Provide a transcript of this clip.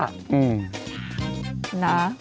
ฟัง